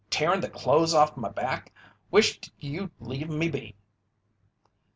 Tearin' the clothes off'n m'back? Wisht you'd leave me be!"